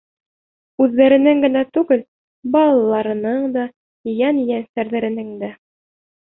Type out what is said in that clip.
Үҙҙәренең генә түгел, балаларының да, ейән-ейәнсәрҙәренең дә...